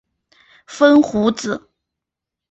风胡子。